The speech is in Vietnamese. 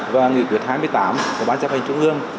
và nghị quyết hai mươi tám của ban chấp hành trung ương